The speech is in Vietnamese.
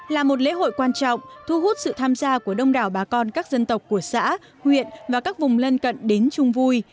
là một lễ hội quan trọng thu hút sự tham gia của đông đảo bà con các dân tộc của xã huyện và các vùng lân cận đến chung vui